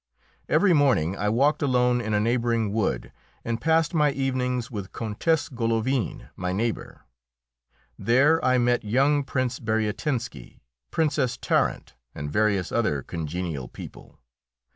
Every morning I walked alone in a neighbouring wood and passed my evenings with Countess Golovin, my neighbour. There I met young Prince Bariatinski, Princess Tarent, and various other congenial people.